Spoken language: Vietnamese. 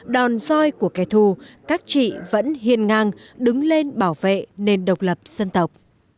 đòn roi của kẻ thù các chị vẫn hiền ngang đứng lên bảo vệ nền độc lập dân tộc